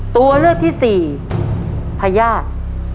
ตัวเลือกที่สี่พญาติ